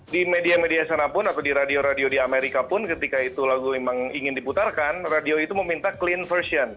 di media media sana pun atau di radio radio di amerika pun ketika itu lagu memang ingin diputarkan radio itu meminta clean version